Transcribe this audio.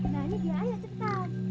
nah ini dia aja cepetan